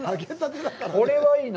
これはいいな。